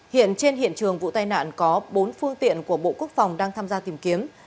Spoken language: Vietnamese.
hiện trên hiện trường vụ tai nạn có bốn phương tiện của bộ quốc phòng đang tham gia tìm kiếm